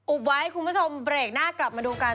ไว้คุณผู้ชมเบรกหน้ากลับมาดูกัน